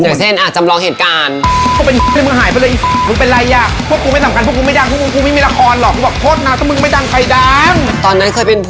เดี่ยวเส่นอ่ะจำลองเหตุการณ์